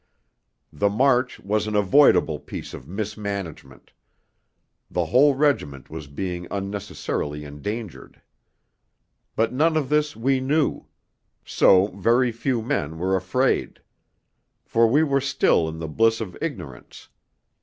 The march was an avoidable piece of mismanagement; the whole regiment was being unnecessarily endangered. But none of this we knew; so very few men were afraid. For we were still in the bliss of ignorance.